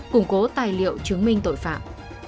củng cố tài liệu chứng minh tội phạm